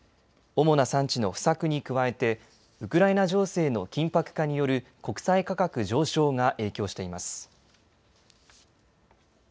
主な産地の不作に加えてウクライナ情勢の緊迫化による国際価格上昇が影響しています。